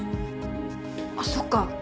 あっそっか。